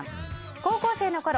高校生のころ